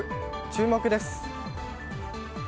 注目です。